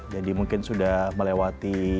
jadi mungkin sudah melewati